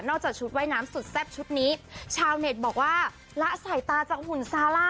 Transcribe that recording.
จากชุดว่ายน้ำสุดแซ่บชุดนี้ชาวเน็ตบอกว่าละสายตาจากหุ่นซาร่า